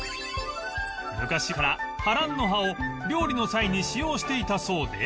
昔から葉蘭の葉を料理の際に使用していたそうで